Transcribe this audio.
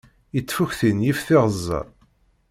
Yettfuktin yif tiɣezza.